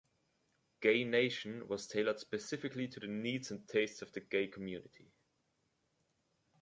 "Gay Nation" was tailored specifically to the needs and tastes of the Gay Community.